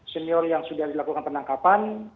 senior yang sudah dilakukan penangkapan